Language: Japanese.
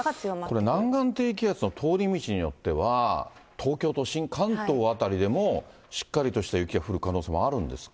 これ、南岸低気圧の通り道によっては、東京都心、関東辺りでも、しっかりとした雪が降る可能性もあるんですか。